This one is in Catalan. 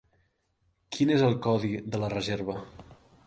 Quin és el codi de la reserva?